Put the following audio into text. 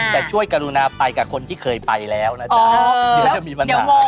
แต่ช่วยกรุณาไปกับคนที่เคยไปแล้วนะจ๊ะเดี๋ยวก็จะมีปัญหา